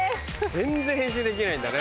全然変身できないんだね。